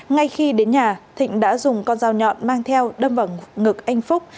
ngay khi đến nhà thịnh đã dùng con dao nhọn mang theo đâm vào ngực anh phúc